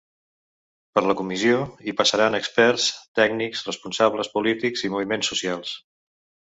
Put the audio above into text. Per la comissió hi passaran experts, tècnics, responsables polítics i moviments socials.